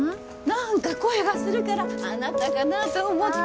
何か声がするからあなたかなと思って